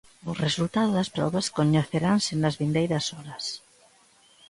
Os resultados das probas coñeceranse nas vindeiras horas.